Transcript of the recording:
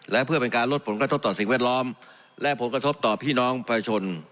และเพื่อเป็นการลดผลกระทบต่อสิ่งแวดล้อมและผลกระทบต่อพี่น้องประชาชน